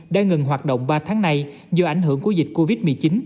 đã ngừng hoạt động ba tháng nay do ảnh hưởng của dịch covid một mươi chín